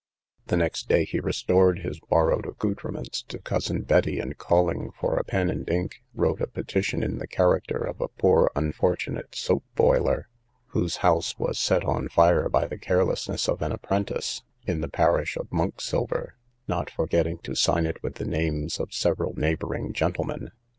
The next day he restored his borrowed accoutrements to cousin Betty, and, calling for a pen and ink, wrote a petition in the character of a poor unfortunate soap boiler, whose house was set on fire by the carelessness of an apprentice, in the parish of Monksilver, not forgetting to sign it with the names of several neighbouring gentlemen.